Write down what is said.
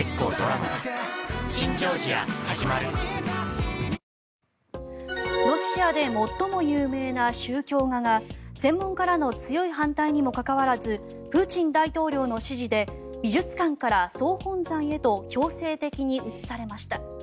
そのやさしさをマスクにもロシアで最も有名な宗教画が専門家らの強い反対にもかかわらずプーチン大統領の指示で美術館から総本山へと強制的に移されました。